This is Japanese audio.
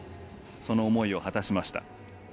その思いを果たしました。